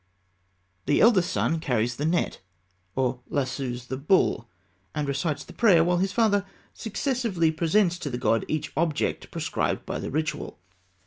The eldest son carries the net or lassoes the bull, and recites the prayer while his father successively presents to the god each object prescribed by the ritual.